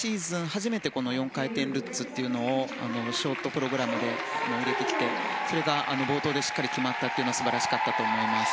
初めて４回転ルッツというのをショートプログラムに入れてきて冒頭でしっかり決まったのは素晴らしかったと思います。